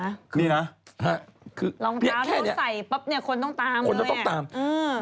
รองเท้าที่เขาใส่ปั๊บเนี่ยคนต้องตามเลย